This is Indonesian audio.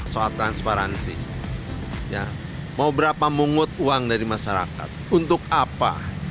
soal transparansi ya mau berapa mungut uang dari masyarakat untuk apa